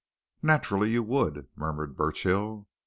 "Naturally, you would," murmured Burchill.